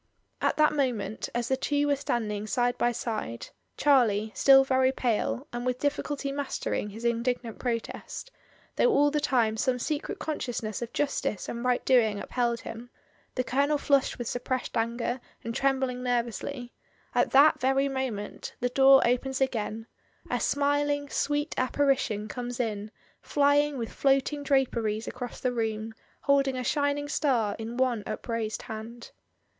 At that moment, as the two were standing side by side — Charlie still very pale, and with difficulty mastering his indignant protest, though all the time some secret consciousness of Justice and right doing upheld him, the Colonel flushed with suppressed anger, and trembling nervously — at that very mo ment, the door opens again, a smiling, sweet ap parition comes in flying with floating draperies across the room, holding a shining star in one upraised hand.